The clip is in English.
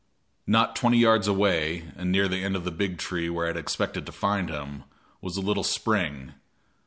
Not twenty yards away, and near the end of the big tree where I had expected to find him, was a little spring.